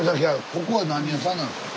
ここは何屋さんなんですか？